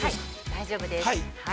◆大丈夫です。